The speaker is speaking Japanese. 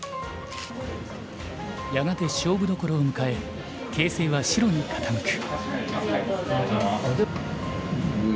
やがて勝負どころを迎え形勢は白に傾く。